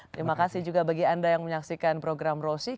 terima kasih juga bagi anda yang menyaksikan program rosing